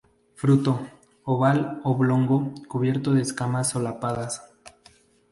Fruto oval-oblongo cubierto de escamas solapadas.